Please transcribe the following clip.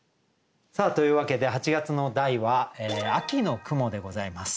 さあというわけで８月の題は「秋の雲」でございます。